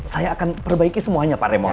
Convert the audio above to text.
saya akan perbaiki semuanya pak remor